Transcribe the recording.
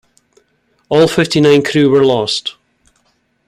All fifty-nine crew were lost.